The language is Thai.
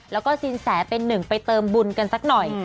แล้วก็สินแสเป็นหนึ่งไปเติมบุญกันสักหน่อย